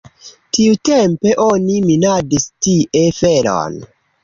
Tiutempe oni minadis tie feron.